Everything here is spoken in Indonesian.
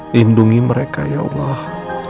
lindungi mereka ya allah